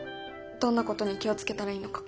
どんなことに気を付けたらいいのか。